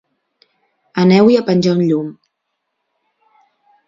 Aneu-hi a penjar un llum.